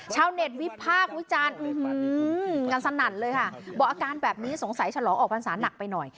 ชาวเนทวิทยาภาคบอกอาการแบบนี้สงสัยฉลองออกภาษาหนักไปหน่อย